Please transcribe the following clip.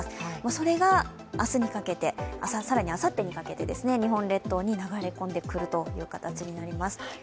それが明日にかけて、更にあさってにかけて日本列島に流れ込んでくるという形になります